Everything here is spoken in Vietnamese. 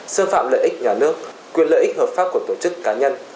xâm phạm lợi ích nhà nước quyền lợi ích hợp pháp của tổ chức cá nhân